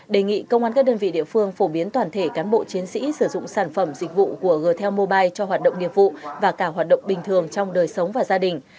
đề nghị công an các đơn vị địa phương phổ biến toàn thể cán bộ chiến sĩ sử dụng sản phẩm dịch vụ của g tel mobile cho hoạt động nghiệp vụ và cả hoạt động bình thường trong đời sống và gia đình